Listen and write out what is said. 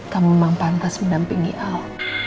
kamu memang pantas mendampingi al